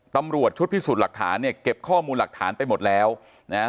ตำรวจชุดพิสูจน์หลักฐานเนี่ยเก็บข้อมูลหลักฐานไปหมดแล้วนะฮะ